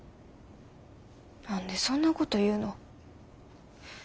何でそんなこと言うの？